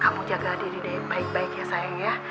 kamu jaga diri baik baik ya sayang ya